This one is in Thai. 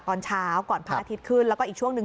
ตอนเช้าก่อนพระอาทิตย์ขึ้นแล้วก็อีกช่วงหนึ่ง